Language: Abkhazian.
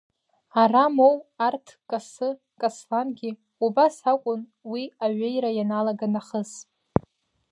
Ара моу арҭ Касы, Каслангьы убас акәын, уи аҩеира ианалага нахыс.